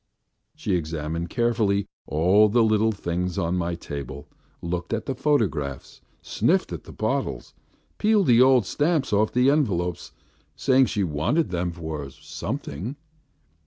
She examined carefully all the little things on my table, looked at the photographs, sniffed at the bottles, peeled the old stamps off the envelopes, saying she wanted them for something.